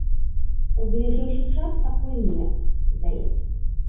У бліжэйшы час пакуль не, здаецца.